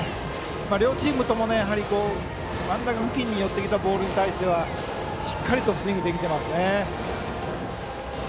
両チームとも真ん中付近に寄ってきたボールに対してはしっかりスイングできていますね。